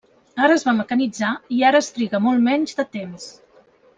Ara es va mecanitzar i ara es triga molt menys de temps.